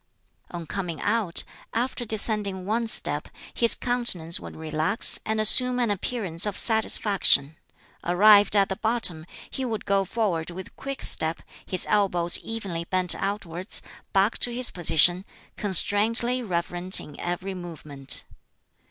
On coming out, after descending one step his countenance would relax and assume an appearance of satisfaction. Arrived at the bottom, he would go forward with quick step, his elbows evenly bent outwards, back to his position, constrainedly reverent in every movement.